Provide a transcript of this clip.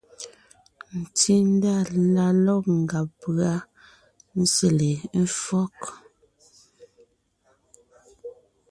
Tsindá la lɔ̂g ngàb pʉ́a sele éfɔ́g.